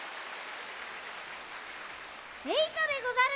えいとでござる！